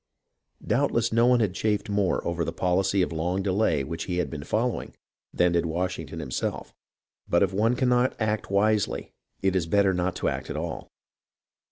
Doubtless no one had chafed more over the policy of long delay which he had been following than did Washington himself; but if one cannot act wisely, it is better not to act at all.